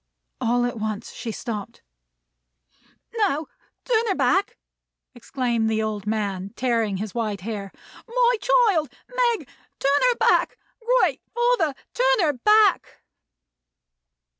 All at once she stopped. "Now, turn her back!" exclaimed the old man, tearing his white hair. "My child! Meg! Turn her back! Great Father, turn her back!"